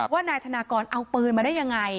ว่านายธนากรเอาปืนมาได้ยังไง